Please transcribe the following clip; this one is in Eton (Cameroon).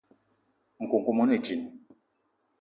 Nkoukouma one djinn.